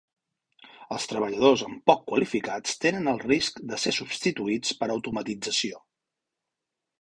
Els treballadors amb poc qualificats tenen el risc de ser substituïts per automatització.